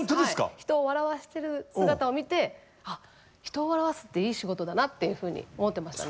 人を笑わしてる姿を見てあ人を笑わすっていい仕事だなっていうふうに思ってましたね。